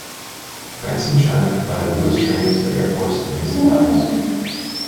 France and China provided most training to the Air Force in recent times.